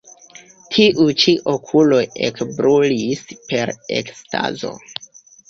Tiuj ĉi okuloj ekbrulis per ekstazo.